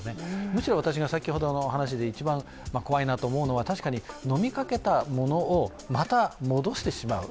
むしろ私が先ほどの話で一番怖いなと思うのは確かに飲みかけたものを、また戻してしまう。